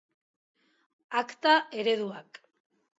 Akta-ereduak.